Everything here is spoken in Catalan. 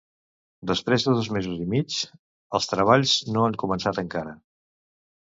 Després de dos mesos i mig els treballs no han començat encara.